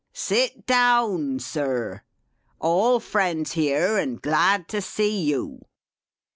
Sit down Sir. All friends here, and glad to see you!"